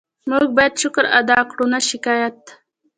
موږ باید شکر ادا کړو، نه شکایت.